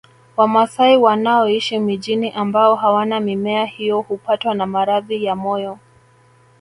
Wamasai wanaoishi mijini ambao hawana mimea hiyo hupatwa na maradhi ya moyo